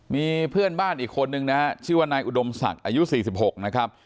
มีเพื่อนบ้านอีกคนนึงนะฮะชื่อว่านายอุดมศักดิ์อายุ๔๖นะครับ